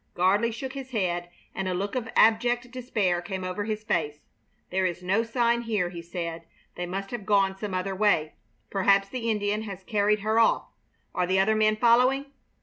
Gardley shook his head and a look of abject despair came over his face. "There is no sign here," he said. "They must have gone some other way. Perhaps the Indian has carried her off. Are the other men following?"